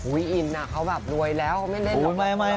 อุ้ยอินเขาแบบรวยแล้วเขาไม่ได้